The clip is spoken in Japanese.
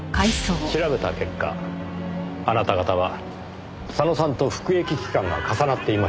調べた結果あなた方は佐野さんと服役期間が重なっていましたねぇ。